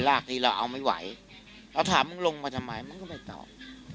ลากทีเราเอาไม่ไหวเราถามมึงลงมาทำไมมึงก็ไม่ตอบ